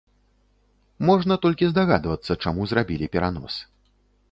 Можна толькі здагадвацца, чаму зрабілі перанос.